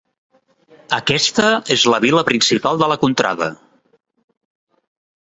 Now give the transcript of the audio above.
Aquesta és la vila principal de la contrada.